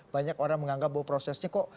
banyak orang menganggap bahwa prosesnya kok